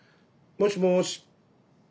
もしもし。